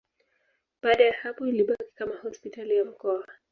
Baada ya hapo ilibaki kama hospitali ya mkoa.